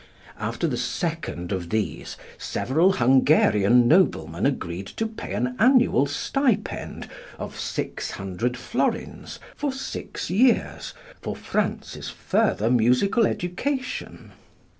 After the second of these, several Hungarian noblemen agreed to provide an annual stipend of 600 florins for six years for Franz's further musical education.